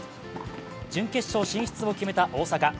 準決勝進出を決めた大坂。